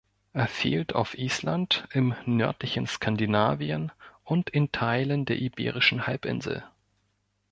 Er fehlt auf Island, im nördlichen Skandinavien und in Teilen der Iberischen Halbinsel.